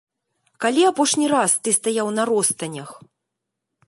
Калі апошні раз ты стаяў на ростанях?